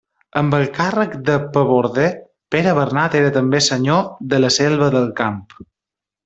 Amb el càrrec de paborde, Pere Bernat era també senyor de La Selva del Camp.